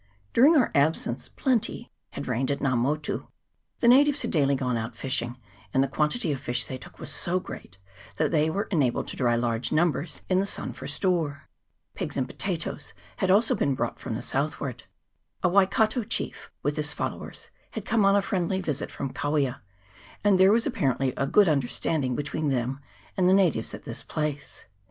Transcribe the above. During our absence plenty had reigned at Nga Motu : the natives had daily gone out fishing, and the quantity of fish they took was so great, that they were enabled to dry large numbers in the sun for store. Pigs and potatoes had also been brought 1 Miro longipes, Less. 152 EXCURSION RESUMED [PART I. from the southward. A Waikato chief, with his followers, had come on a friendly visit from Kawia, and there was apparently a good understanding between them and the natives at this place.